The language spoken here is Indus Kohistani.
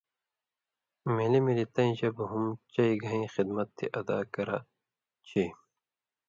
ملیۡ ملیۡ تَیں ژِبَیں ہُم چئ گھَیں خِدمت تھی ادا کرہ چھی۔